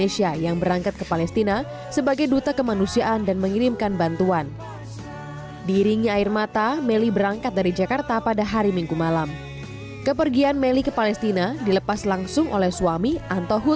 selanjutnya melly akan melanjutkan perjalanan ke perbatasan suriah